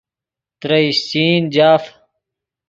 ترے اشچین جاف